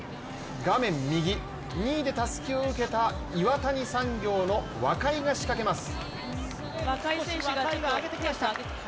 画面右、２位でたすきを受けた岩谷産業の若井が仕掛けます。